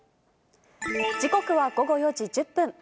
時刻は午後４時１０分。